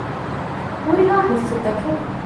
ހުރިހާ ހިއްސުތަކެއް